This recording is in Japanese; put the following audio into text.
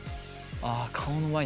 あ顔の前に。